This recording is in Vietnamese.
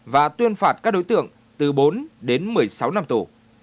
và tuyên phạt các đối tượng từ bốn đến một mươi sáu năm tù